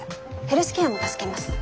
ヘルスケアも助けます。